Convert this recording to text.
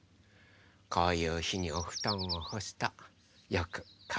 こういうひにおふとんをほすとよくかわくんですよね。